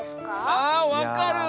あわかる！